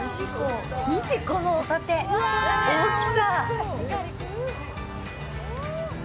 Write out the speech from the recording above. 見て、このほたて、大きさ。